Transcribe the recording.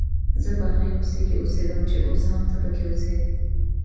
زه په هغې کوڅې کې اوسېدم چې اوس هم ته پکې اوسې.